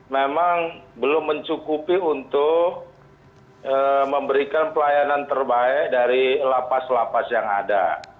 memang belum mencukupi untuk memberikan pelayanan terbaik dari la paz la paz yang ada